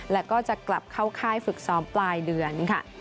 แล้วก็จะกลับเข้าค่ายฝึกซ้อมปลายเดือนค่ะ